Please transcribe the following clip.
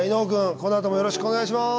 このあともよろしくお願いします。